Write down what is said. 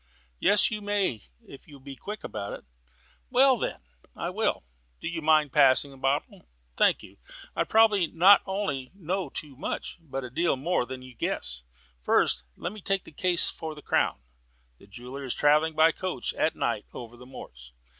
"Yes, you may if you'll be quick about it." "Very well, then, I will. Do you mind passing the bottle? Thank you. I probably know not only too much, but a deal more than you guess. First let us take the case for the Crown. The jeweller is travelling by coach at night over the moors.